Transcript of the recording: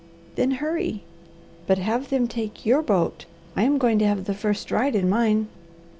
"Then hurry! But have them take your boat. I am going to have the first ride in mine."